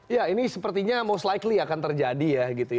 ya ini sepertinya most likely akan terjadi ya gitu ya